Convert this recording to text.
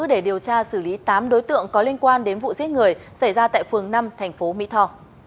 để điều tra xử lý tám đối tượng có liên quan đến vụ giết người xảy ra tại phường năm thành phố mỹ tho